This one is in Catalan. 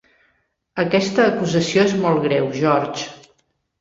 Aquesta acusació és molt greu, George.